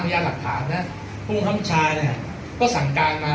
พยาหลักฐานนะฮะพระคุมพระมูลชาย์เนี้ยก็สั่งการมา